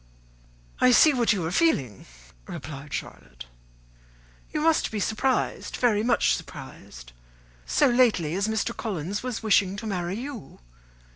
"I see what you are feeling," replied Charlotte; "you must be surprised, very much surprised, so lately as Mr. Collins was wishing to marry you.